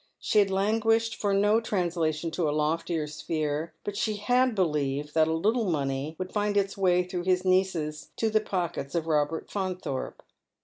She had languished for no translation to a loftier sphere, but she had believed that a little money would find its way through his nieces to the pockets of Robert Faunthorpe.